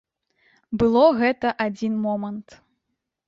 Было гэта адзін момант.